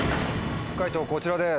解答こちらです。